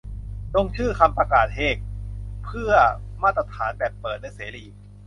ลงชื่อ "คำประกาศเฮก" - เพื่อมาตรฐานแบบเปิดและเสรี